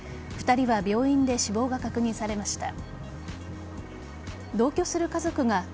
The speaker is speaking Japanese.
２人は病院で死亡が確認されました。